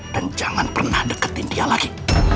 dan jangan pernah deketin dia lagi